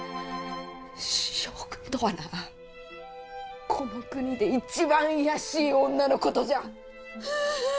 将軍とはなこの国で一番卑しい女のことじゃ！